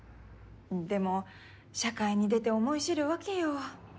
でも社会に出て思い知るわけよ。